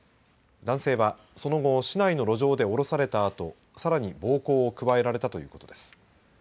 男性はその後、市内の路上で降ろされたあとさらに暴行を加えられたということです。